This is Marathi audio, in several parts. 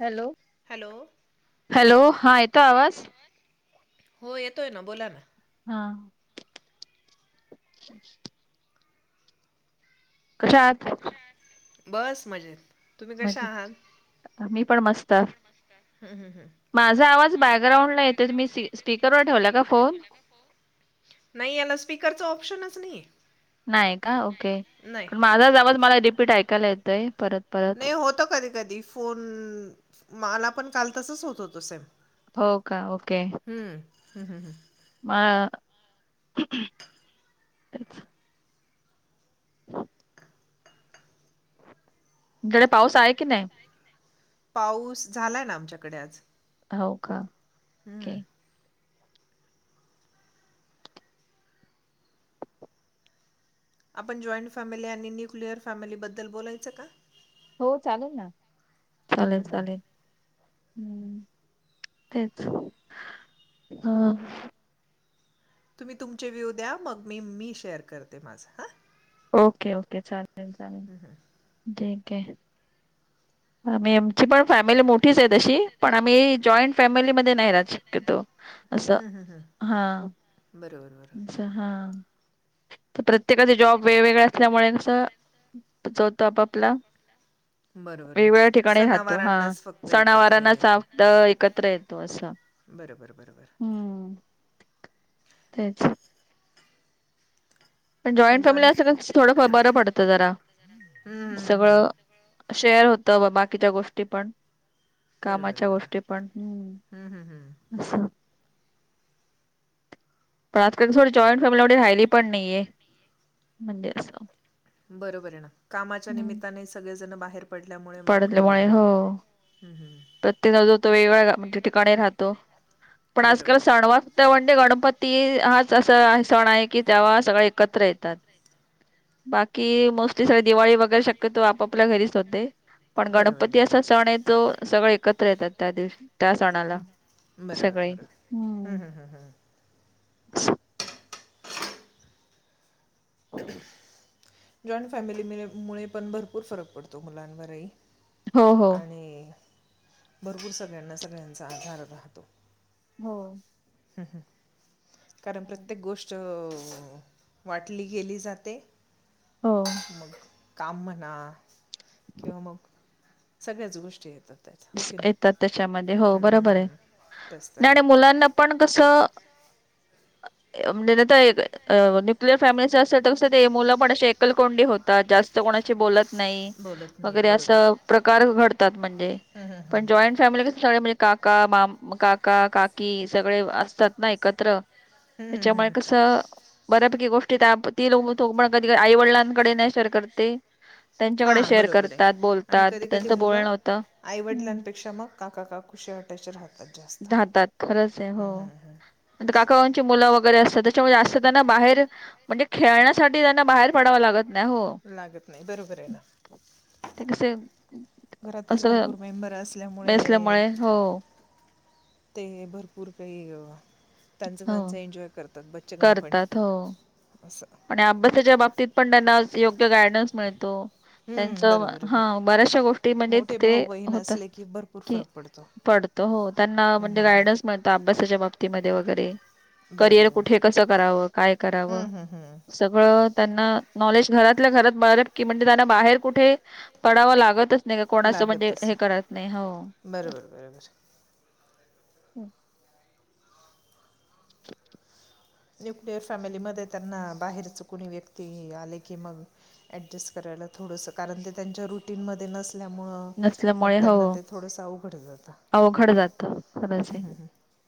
हॅलो. हॅलो, हॅलो हा येतोय आवाज, हो येतोय ना बोला ना. हा. कशा आहात? बस मजेत. तुम्ही कशा आहात मजेत, मी पण मस्त. हम् हम् हम्. माझा आवाज बॅकग्राउंडला येतोय, तुम्ही स्पीकरवर ठेवला का फोन? नाही याला स्पीकरचं ऑप्शनच नाहीये. नाही का ओके, पण माझाच आवाज मला रिपीट ऐकायला येतोय परत. परत नाही होतो कधी कधी फोन, मला पण काल तसंच होत होतं सेम. हो का? ओके. हम्म हं हं ह. म [unintelligible] तेच तुमच्याकडे पाऊस आहे की नाही? पाऊस झालाय ना आमच्याकडे आज. हो का हं. ओके. आपण जॉइंट फॅमिली आणि न्यूक्लिअर फॅमिलीबद्दल बोलायचं का? हो चालेल ना चालेल हं, हं. चालेल. हम् तेच तुम्ही तुमचे व्ह्यू द्या मग मी मी शेअर करते माझा हा. ओके ओके चालतंय चालतंय. हम हम. ठीक आहे आ म ची पण फॅमिली मोठीच आहे तशी पण आम्ही जॉईंट फॅमिलीमध्येध्ये नाही राहत शक्यतो. असं हं, हं, हं. हा. बरोबर बरोबर. हा तर प्रत्येकाचे जॉब वेगवेगळे असल्यामुळेस जा होतो आपपला बरोबर वेगवेगळ्या ठिकाणी राहतो हा सणावारांनाच फक्त एकत्र सणावारांना ये चात एकत्र येतो असं बर बर बर बर. हम्म. तेच पण जॉईंट फॅमिली असलं थोडं बरं पडत जरा, हम्म हम्म हम्म सगळं हम्म. शेअर होतं बा बाकीच्या गोष्टी पण बरोबर कामाच्या बरोबर गोष्टी पण हम् हम्म हम्म हम्म अस पण आजका थोडी जॉईंट फॅमिली राहिली पण नाहीये म्हणजे असं बरोबर आहे ना कामाच्या हम्म. निमित्ताने सगळेजण बाहेर पडल्यामुळे मग हम् हम प्रत्येक नजो तो वेगवेग्या म्हणजे ठिकाणी राहतो पण आजकाल बरोबर सणवार तवंडे गणपती हाच असा सण आहे की तेव्हा सगळे एकत्र येतात बाकी मोस्टली स दिवाळी वगैरे शक्यतो आपापल्या घरीच होते पण बरोबर गणपती बरोबर असा सण आहे तो सगळे एकत्र येतात त्या दिवशी तासणाला बरोबर सगळी बरोबर हम् हम्म हम्म हम्म हम्म जॉईंट फॅमिलीमुळे पण भरपूर फरक पडतो मुलांवरही हो हो. आणि भरपूर सगळ्यांना सगळ्यांचा आभार राहतो हो हम् हम् कारण प्रत्येक गोष्ट वाटली गेली जाते हो मग काम म्हणा किंवा मग सगळ्याच गोष्टी येतात त्यात हो की नाही येतात त्याच्यामध्ये हो हम्म, हम्म, बरोबर आहे हम्म. तेच तर आणि ना आणि मुलांना पण कस म्हणजे न्यूक्लियर फॅमिली असेल तर कसं ते मुलं पण अे एकल कोंडी होतात जास्त कोणाशी बोलत नाही बोलत नाहीत वगैरे असं प्रकार घडतात म्हणजे हा हा पण जॉईंट फॅमिली सगळे म्हणजे काका मा काका काकी सगळे असतात ना एकत्र हम्म, हम्म, त्याच्यामुळे हम्म. कसं बऱ्यापैकी गोष्टी ती लोो पण कधी आई वडिलांकडे नाही शेअर करते त्यांच्याकडे हां शेअर बरोबर करतात बोलतात त्यांचं बोलणवतं आईवडलांपेक्षा मग काकाका कुशी हटयचे राहत हातात खरंच आहे हो हम्म. असं काकाची मुलं वगैरे असतात त बाहेर म्हणजे खेळ साठी त्यांना बाहेर पडावा लागत नाही हो लागत नाही बरोबर आहे ना क घरातच भरपूर मेंबर असल्यामुळे बेसल्यामुळे हो ते भरपूर काही ग त्यांचं हो त्यांचं एन्जॉय करतात बच्चकंपणी करतात हो असं आणि अभ्यासाच्या बाबतीत पण त्यांना योग्य गायडन्स मिळतो त्यांच हं, बरोबर आहे. हा बऱ्याचशा गोष्टी म्हणजे मोठे ते भाऊ बहीण होतात असले की भरपूर कि फरक पडतो. पडतो हो त्यांना हं, म्हणजे हं, गायडन्स हं. मिळतो अभ्यासाच्या बाबतीमध्ये वगैरे बरोबर करिअर आहे ना. कुठे कसं करावं काय करावं हं, हं, हं. सगळं त्यांना नॉलेज घरातल्या घरात बळा की म्हणजे त्यांना बाहेर कुठे पडावं लागतच नाही का कोणाचं म्हणजे हे करत नाही हो बरोबर बररोबर ह न्यूक्लिअर फॅमिलीमध्ये त्यांना बाहेरच कोुणी व्यक्ती आले की मग ॲडजस्ट करायला थोडंसं कारण ते त्यांच्या रुटीनमध्ये नच त्यामुळ मग नसल्यामुळे हो त्यांना ते थोडस अवघड जात् अवघड जातं खरंच आहे.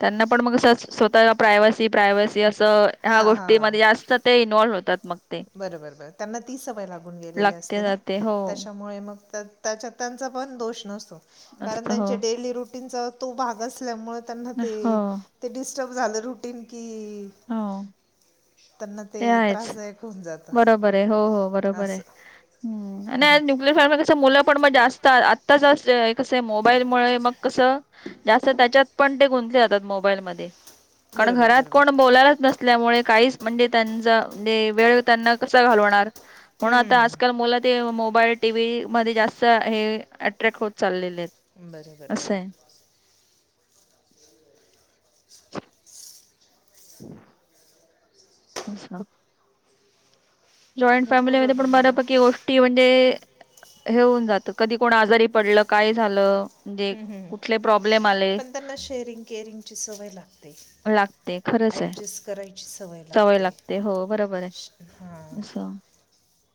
त्यांना पण मग स्वतः प्रायवसी प्रायव्हसी असं हा ह्या हा गोष्टीमध्ये जास्त ते इन्व्हॉल्व्ह होतात मग ते बरोबर बर त्यांना ती सवय लागून गेलेली लागते असते ना जाते हो त्याच्यामुळे मग त्या त्याच्या त्यांचा पण दोष नसतो कारण असत हो त्यांच्या डेली रुटीनचा तो भाग असल्यामुळे त्यांना ते हो ते डिस्टर्ब झालं रुटीन की हो त्यांना ते आहेच त्रासदायक होऊन जातं बरोबर आहे हो हो बरोबर असं आहे ह हं. न्यक्लिय फार् कस मुलं पण मग जास्त आत्ताच कसं मोबाईलमुळे मग कसं जास्त त्याच्यात पण ते गुंतले जातात मोबाईल म बरं कारण बरं घरात बरं को बरं लाच नसल्यामुळे काही म्हणजे त्यांचा म्हणे वेळ त्यांना कसा घालणार म्हणून आता हं. आजकाल मुलं ते मोबाईल टी व् मध्ये जास्त हे अट्रॅक्ट होत चाललेले आहेत बरोबर असं बरर आहे. अच्छा जॉईंट भरपूर फॅमिलीमध्ये पण बरं बऱपकी गो ती म्हणजे हेऊन जात कधी कोण आजारी पडलं काय झालं म्हणजे हम्म हम्म कुठले प्रॉब्लेम आले पण त्यांना शेरिंग केअरिंग ची सवय लागते लागते खरंच आहे. डजस्ट करायची सवय लागते हा असच्सा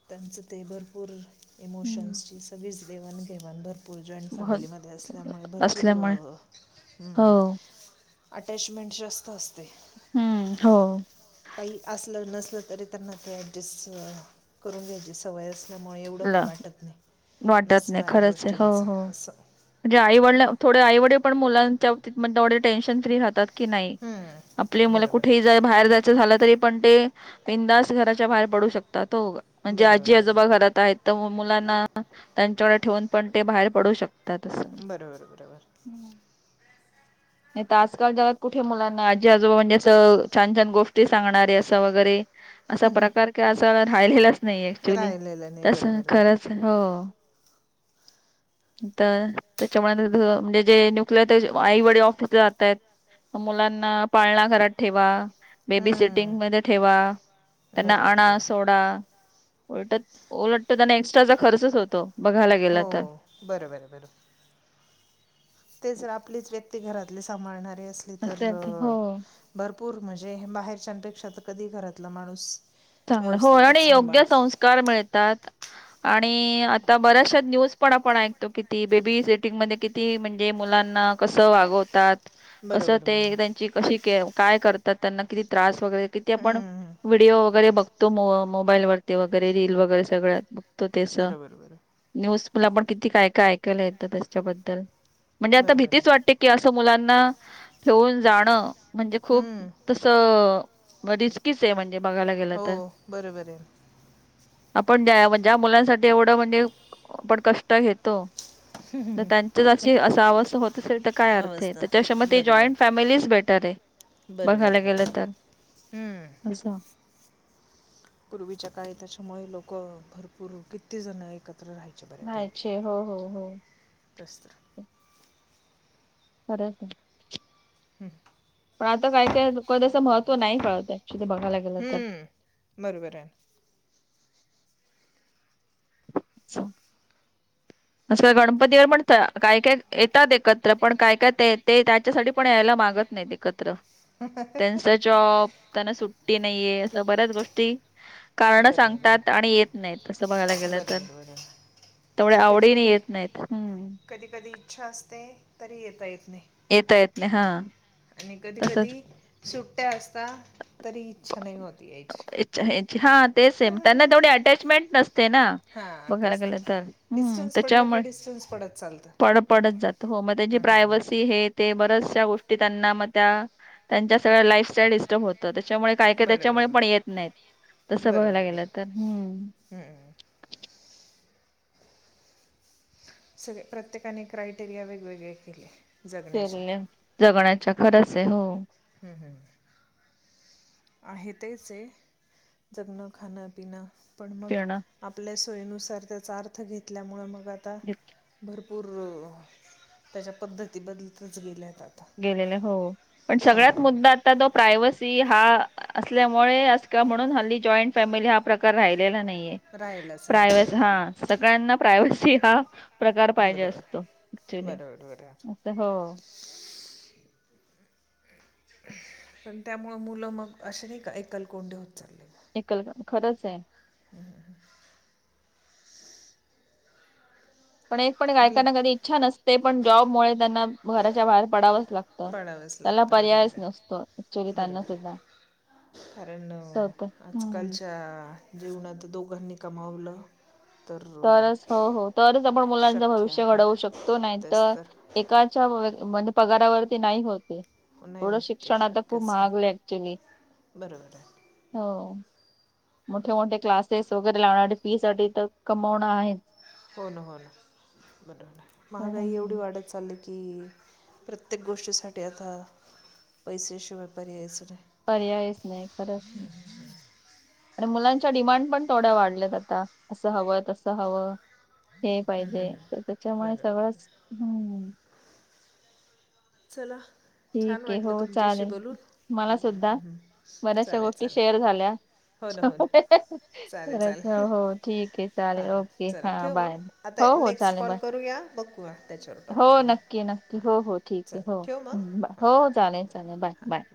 त्यांचं ते भरपूर हम्म इमोशन्सची सगळीच देवाणघेवाण भरपूर भरपूर जॉईंट हो, फॅमिलीमध्ये असल्यामुळे भरपूर असल्यामुळे हो अटॅचमेंट जास्त असते हम्म हो काही असलं नसल तरी त्यांना ते ऍडजस्ट करून घ्याची सवय असल्यामुळे एवढं ला काही वाटत नाही वाटत नसणाऱ्या गोष्टींचं असं म्हणे आईवडल थोडे आईवडील पण मुलांच्या बाबतीत तेवे टेन्शन फ्री राहतात की नाही आपली हम्म, मुलं बरोबर कुठेही जा बाहेर जायचं झालं तरी पण ते बिनदास घराच्या बाहेर पडू शकतात हो म्हणजे बरोबर आजी आजोबा बरोबर घरात तर मुलांना त्यांच्याकडे ठेवून पण ते बाहेर पडू शकतात अस बरोबर बरोबर नाही तर आजकाल जगात कुठे मुलांना आजी आजोबा म्हणजे असं छान छान गोष्टी सांगणारे असं वगैरे असा प्रकार क असं राहिलेलाच नाही ऍक्च्युली राहिलेलं नाही तस बरोबर बरं खरच हो तर त्याच्यामुळे म्हणजे जे न्युक्लिअर आई व ऑफ तिथ जातय मुलांना पाळणा घरात ठेवा बेबी सिटिंग हम्म, म ठेवा त्यांना बरोबर आणा बरोबर सोडा उलटत उलटतर त्यांना एक्स्ट्राचा खर्च होतो बघायला हो गेला तर बर बर बर ते जर आपलीच व्यक्ती घरातली सांभाळणारे अस तर असे हो भरपूर म्हणजे बाहेरच्यापेक्षा तर कधी घरातला माणूस चांगलं हो व्यवस्थितच आणि योग्य सांभाळत संस्कार मिळतात आणि आता बऱ्याचशा न्यूज पण आपण ऐकतो किती बेबी सेटिंग मध्ये किती म्हणजे मुलांना कसं वागवतात कसं बरोबर ते बरोबर त्यांची कशी काय करतात त्यांना किती त्रास वगैरे किती आपण हम्म व्हिडिओ वगैरे बघतो मोबाईल वरती वगैरे रील वगैरे सगळ्यात बघ त्यास बरोबर बरोबर न्यूज मुला पण किती काय काय ऐकायला येतं त्याच्याबद्दल म्हणजे आता बरोबर भीतीच आहे वाटते की असं मुलांना ठेऊन जाणं म्हणजे खूप हम्म तसं रिस्कीच आहे म्हणजे बघायला गेलं हो तर. बरोबर आहे आपण ज्या ज्या मुलांसाठी एवढं म्हणजे आपण कष्ट घेतो तर त्यांचशी असंव होत तल तर काय अर्थ आहे अवस्था त्याच्या म ते बरोबर जॉईंट फॅमिलीच बेटर आहे बरोबर बघायला गेलं बरोबर तर हम्म असं. पूर्वीच्या काय त्याच्यामुळे लोक भरपूर किती जण एकत्र राहि मच्या बऱ्यापैकी राहायचे हो हो हो. ते स्तर खरं आहे का? पण आता काय काय महत्त्व नाही कळत ऍक्च्युली ते बघायला गेलं तर. हम्म बरोबर आहे. च्छा अस गणपती ला पण काय काय येतात एकत्र, पण काय काय ते ते त्याच्यासाठी पण यायला मागत नाही ते. एकत्र त्यांचा जॉब त्यांना सुट्टी नाहीये असं बऱ्याच गोष्टी कारण बरोबर सांगतात आणि येत नाही असं बघायला गेलं तर. बरोबर बरोबर तेवढ आवड कधी कधी कधी कधी इच्छा असते तरी येता येत नाही. येता येत नाही हा. आणि कधी कधी तसच सुट्ट्या असता तरी इच्छा नाही होती यायची. हा ते सेम त्यांना तेवढी अटॅचमेंट नसते ना. हां बघायला तेच गेलं तर हम्म डिस्टन्स पडलं की त्याच्यामुळे डिस्टन्स पडत चालतं पड पडत जा हो मग त्यांची हं, हं. प्रायव्हसी हे ते बऱ्याचश्या गोष्टी त्यांना मग त्या त्यांच्या सगळ्या लाईफस्टाईल होत त्याच्यामुळे काय काय बरं त्याच्यामुळे बरं पण येत नाही तसं बघयला गेलं तर हम्म. हम्म. सगळे प्रत्येकाने क्रायटेरिया वेगवेगळे केले. जगण्याचे हं, जगण्याच्या खरच आहे हो. हम्म हम्म. आहेत तेच आहे जगणं खाणंपिणं. पण मग पिणं आपल्या सोयीनुसार त्याचा अर्थ घेतल्यामुळ मग आता भरपूर त्याच्या पद्धती बदलतच गेल्या आहेत आता. गेलेले हो पण सगळ्यात मुद्दा आ प्राव ती हा असल्यामुळे अस का म्हणून हल्ली जॉईंट फॅमिली हा प्रकार राहिलेला नाहीये. राहिलाच. नाही प्रायवस हा बरोबर सगळ्यांना प्रायवसी हा प्रकार पाहिजे बरोबर असतो. बरोबर बर. अस हो. पण त्यामुळ मुलं मग अशी नाही का एकल कोंडे होत चालले. एकल खरंच आहे. हम्म हम्म ह. पण एक पण आपल्या गायकांना कधी इच्छा नसते, पण जॉबमुळे त्यांना घराच्या बाहेर पडावंच लागतं. पाडावंच त्याला लागतं पर्यायच बरोबर आहे नसतो ऍक्च्युली त्यांना बरोबर सुद्धा. आहे कारण असं होतं. हम्म. आजकालच्या जीवनात दोघांनी कमावलं तर तरच हो हो. तरच आपण मुलांच शक्य भविष्य आहे घडवू शकतो नाही तर एकाच्या म्हणजे पगारा वरती नाही होते. हो नाही थोडं होत ते शिक्षण आता खूप शक्यच महागल नाही ऍक्च्युली. बरोबर आहे हो. मोठे मोठे क्लासेस वगैरे लावण्यासाठी फी साठी तर कमवणं आहे. हो ना हो ना. बरं हो ना महागाई एवढी हम्म. वाढत चालली की प्रत्येक गोष्टीसाठी आता पैसे शिवाय पर्यायच नाही. पर्यायच नाही खरंच नाही. आणि मुलांच्या डिमांड पण थोड्या वाढल्यात आता असं हवं तसं हवं. हे पाहिजे तर त्याच्यामुळे बरोबर सगळंच हम्म. चला. छान ठीक आहे वाटलं हो तुमच्याशी चालेल बोलून. मला सुद्धा बऱ्याचशा चालेल गोष्टी चालेल. शेअर झाल्या हो ना हो ना चालेल खरंच चालेल. हो हो, ठीक आहे हा चालेल हा. ओके चला हां ठेवू मग? बाय. आता हो हो नेक्स्ट चालेल बाय कॉल करूया बघू हो नक्की नक्की हो हो ठीक आहे चल हो ठेव मग हां हो चालेल चालेल बाय बाय